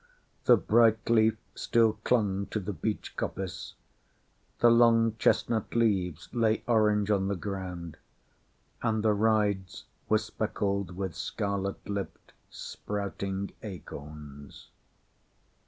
The bright leaf Still clung to the beech coppice; the long chestnut leaves lay orange on the ground, and the rides were speckled with scarlet lipped sprouting acorns.